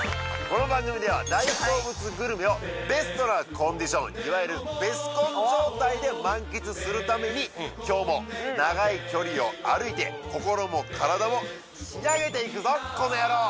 この番組では大好物グルメをベストなコンディションいわゆるベスコン状態で満喫するために今日も長い距離を歩いて心も体も仕上げていくぞこのやろう！